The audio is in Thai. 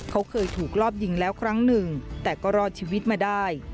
เขาเคยถูกรอบยิงแล้วครั้งหนึ่งแต่ก็รอดชีวิตมาได้